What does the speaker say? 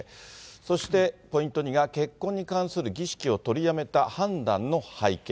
そしてポイント２が結婚に関する儀式を取りやめた判断の背景。